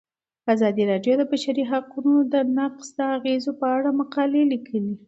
ازادي راډیو د د بشري حقونو نقض د اغیزو په اړه مقالو لیکلي.